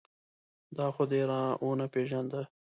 دا خو دې را و نه پېژانده.